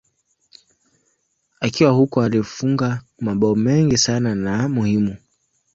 Akiwa huko alifunga mabao mengi sana na muhimu.